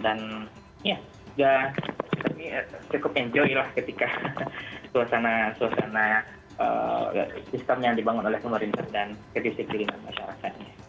dan ya cukup enjoy lah ketika suasana sistem yang dibangun oleh pemerintah dan kedisiplinan masyarakat